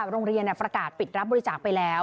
โรงเรียนประกาศปิดรับบริจาคไปแล้ว